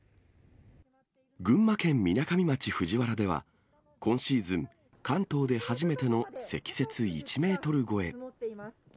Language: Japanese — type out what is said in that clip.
群馬県みなかみ町藤原では、今シーズン、関東で初めての積雪１メートル超え。